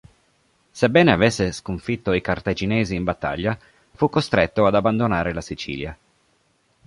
Sebbene avesse sconfitto i cartaginesi in battaglia fu costretto ad abbandonare la Sicilia.